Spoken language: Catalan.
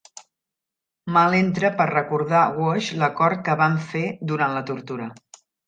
Mal entra per recordar Wash l'acord que van fer durant la tortura.